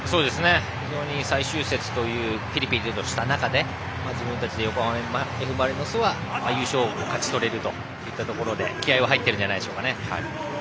非常に最終節というピリピリとした中で自分たちで、横浜Ｆ・マリノスは優勝を勝ち取れるといったとこで気合いは入っているんじゃないでしょうかね。